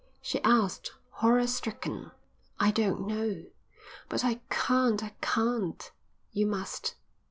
she asked, horror stricken. "I don't know." "But I can't. I can't." "You must."